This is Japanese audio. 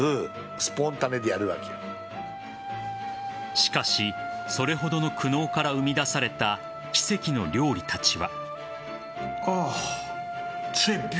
しかし、それほどの苦悩から生み出された奇跡の料理たちは。